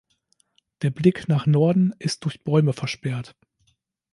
Der Blick nach Norden ist durch Bäume versperrt.